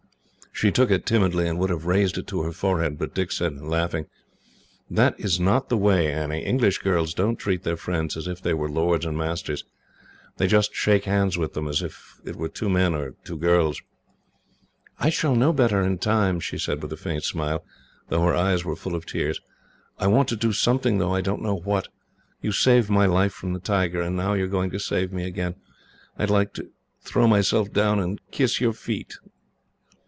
She took it timidly, and would have raised it to her forehead, but Dick said, laughing: "That is not the way, Annie. English girls don't treat their friends as if they were lords and masters. They just shake hands with them, as if it were two men, or two girls." "I shall know better, in time," she said, with a faint smile, though her eyes were full of tears. "I want to do something, though I don't know what. You saved my life from the tiger, and now you are going to save me again. I should like to throw myself down, and kiss your feet."